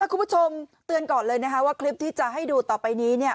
คุณผู้ชมเตือนก่อนเลยนะคะว่าคลิปที่จะให้ดูต่อไปนี้เนี่ย